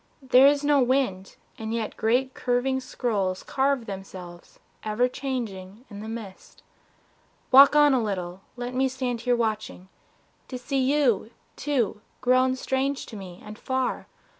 There is no wind, and yet great curving scrolls Carve themselves, ever changing, in the mist. Walk on a little, let me stand here watching To see you, too, grown strange to me and far. ..